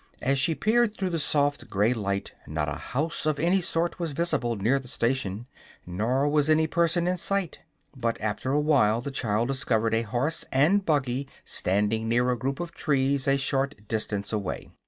As she peered through the soft gray light not a house of any sort was visible near the station, nor was any person in sight; but after a while the child discovered a horse and buggy standing near a group of trees a short distance away.